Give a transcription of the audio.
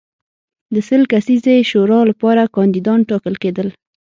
د سل کسیزې شورا لپاره کاندیدان ټاکل کېدل.